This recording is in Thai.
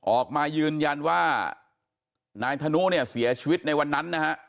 ออกมายืนยันว่านายธนุเสียชีวิตในวันนั้น